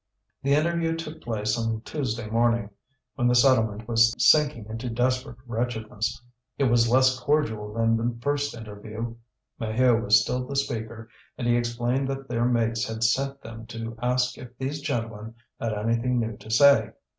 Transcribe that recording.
The interview took place on Tuesday morning, when the settlement was sinking into desperate wretchedness. It was less cordial than the first interview. Maheu was still the speaker, and he explained that their mates had sent them to ask if these gentlemen had anything new to say.